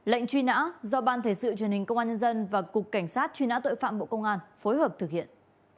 lệnh truy nã do ban thể sự truyền hình công an nhân dân và cục cảnh sát truy nã tội phạm bộ công an phối hợp thực hiện